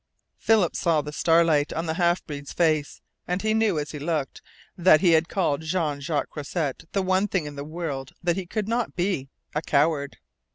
Philip saw the starlight on the half breed's face. And he knew, as he looked, that he had called Jean Jacques Croisset the one thing in the world that he could not be: a coward.